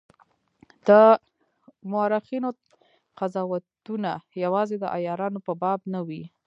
د مورخینو قضاوتونه یوازي د عیارانو په باب نه وای.